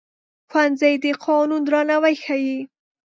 ښوونځی د قانون درناوی ښيي